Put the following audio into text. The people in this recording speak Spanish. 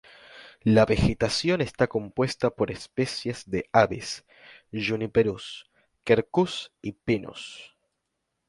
La vegetación está compuesta por especies de "Abies", "Juniperus", "Quercus" y "Pinus".